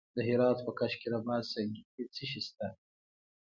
د هرات په کشک رباط سنګي کې څه شی شته؟